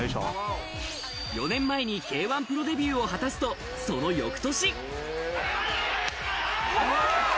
４年前にＫ‐１プロデビューを果たすと、その翌年。